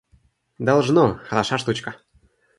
Должно, хороша штучка!